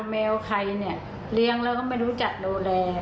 แมวใครเนี่ยเลี้ยงแล้วก็ไม่รู้จักดูแล